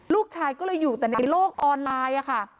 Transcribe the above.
ลูกชายก็เลยอยู่แต่ในโลกออนไลน์ค่ะ